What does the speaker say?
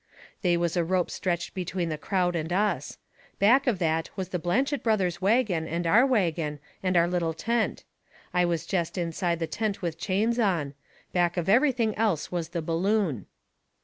They was a rope stretched between the crowd and us. Back of that was the Blanchet Brothers' wagon and our wagon, and our little tent. I was jest inside the tent with chains on. Back of everything else was the balloon.